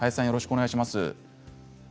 よろしくお願いします。